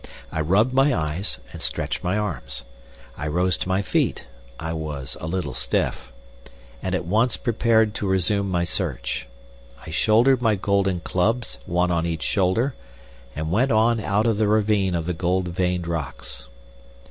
I rubbed my eyes and stretched my arms. I rose to my feet—I was a little stiff—and at once prepared to resume my search. I shouldered my golden clubs, one on each shoulder, and went on out of the ravine of the gold veined rocks.